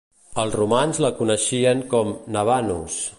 Els romans la coneixien com "Nabanus".